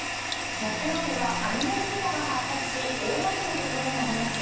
木曜日は雷雲が発達し大雨のところもありました。